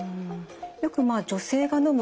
よく女性がのむ